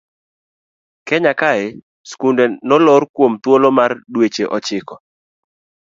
Kenya kae skunde nolor kuom thuolo maromo dweche ochiko.